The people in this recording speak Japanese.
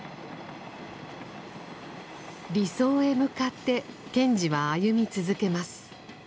理想へ向かって賢治は歩み続けます。